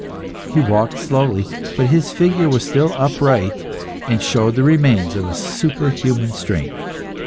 He walked slowly, but his figure was still upright, and showed the remains of a superhuman strength.